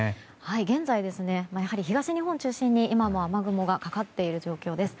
現在やはり東日本を中心に今も雨雲がかかっている状況です。